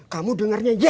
kamu dengarnya ya